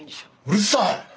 うるさい！